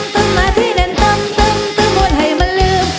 ตรงนาทีแน่นตรงมันให้มันลืม